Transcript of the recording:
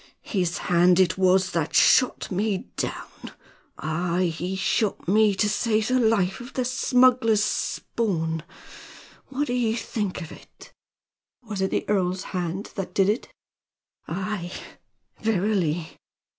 His hand it was that shot me down! aye! he shot me to save the life of the smuggler's spawn! What d'ye think of it?" "Was it the earl's hand that did it?" "Aye, verily."